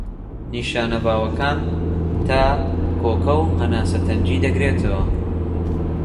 نیشانە باوەکان تا، کۆکە و هەناسە تەنگی دەگرێتەوە.